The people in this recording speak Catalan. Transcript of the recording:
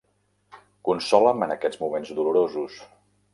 Consola'm en aquests moments dolorosos.